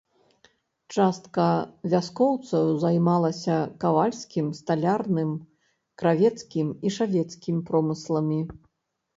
Частка вяскоўцаў займалася кавальскім, сталярным, кравецкім і шавецкім промысламі.